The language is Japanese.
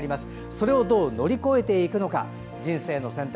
それをどう乗り越えていくのか「人生の選択」。